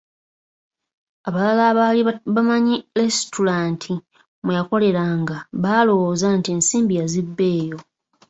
Abalala abaali bamanyi lesitulante mwe yakoleranga baalowooza nti ensimbi yazibba eyo.